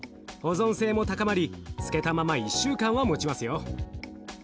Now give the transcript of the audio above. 保存性も高まり漬けたまま１週間はもちますよ。